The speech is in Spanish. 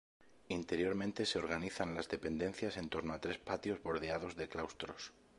Interiormente se organizan las dependencias en torno a tres patios bordeados de claustros.